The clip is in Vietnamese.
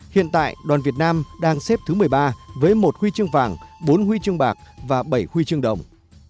hiện tại đoàn việt nam đang xếp thứ một mươi ba với một huy chương vàng bốn huy chương bạc và bảy huy chương đồng